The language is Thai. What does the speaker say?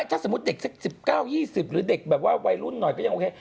ถ้าสมมุติเด็กสัก๑๙๒๐หรือเด็กแบบว่าวัยรุ่นหน่อยก็ยังโอเค